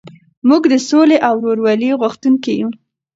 موږ د سولې او ورورولۍ غوښتونکي یو.